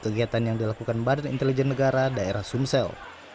kegiatan yang dilakukan badan intelijen negara daerah sumsel